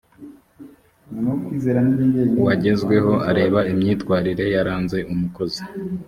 wagezweho areba imyitwarire yaranze umukozi